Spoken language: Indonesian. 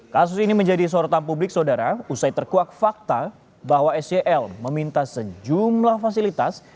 kasus ini menjadi sorotan publik saudara usai terkuak fakta bahwa sel meminta sejumlah fasilitas